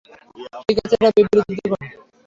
ঠিক আছে, এটা বিবৃতিতে লিখুন।